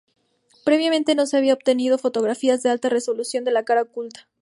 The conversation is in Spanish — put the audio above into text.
Previamente no se habían obtenido fotografías de alta resolución de la cara oculta.